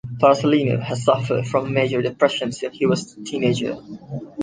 Porcellino has suffered from major depression since he was a teenager.